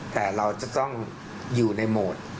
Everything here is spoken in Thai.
แต่เราจะต้องอยู่ในโหมด